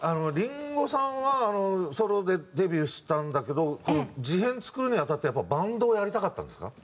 林檎さんはあのソロでデビューしたんだけど事変作るにあたってやっぱりバンドをやりたかったんですか？